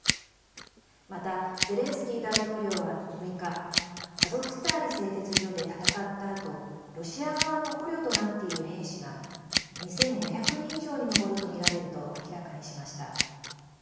また、ゼレンスキー大統領は６日アゾフスターリ製鉄所で戦ったあとロシア側の捕虜となっている兵士が２５００人以上に上るとみられると明らかにしました。